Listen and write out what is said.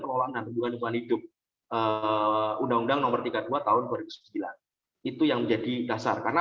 pengolahan dan hubungan lingkungan hidup undang undang nomor tiga puluh dua tahun dua ribu sembilan itu yang menjadi dasar karena